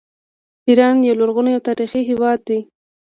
ایران یو لرغونی او تاریخي هیواد دی.